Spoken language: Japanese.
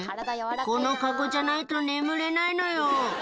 「このカゴじゃないと眠れないのよ」